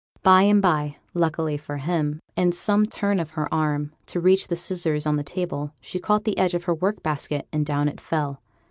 By and by, luckily for him, in some turn of her arm to reach the scissors on the table, she caught the edge of her work basket, and down it fell.